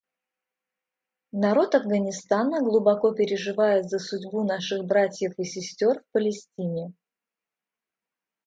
Народ Афганистана глубоко переживает за судьбу наших братьев и сестер в Палестине.